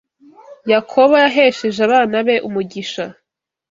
Yakobo yahesheje abana be umugisha